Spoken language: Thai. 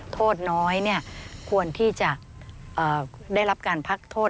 โทษน้อยควรที่จะได้รับการพักโทษ